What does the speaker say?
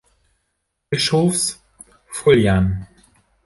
Bischofs Foillan.